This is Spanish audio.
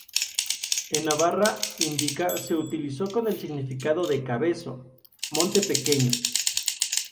En Navarra, indica, se utilizó con el significado de "cabezo", "monte pequeño".